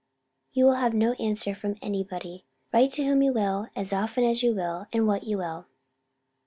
You will have no answer from any body, write to whom you will, and as often as you will, and what you will.